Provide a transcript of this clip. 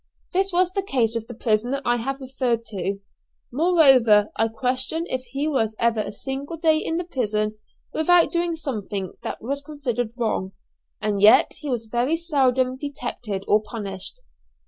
This was the case with the prisoner I have referred to. Moreover, I question if he was ever a single day in the prison without doing something that was considered wrong, and yet he was very seldom detected or punished.